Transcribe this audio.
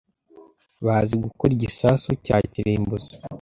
Bazi gukora igisasu cya kirimbuzi.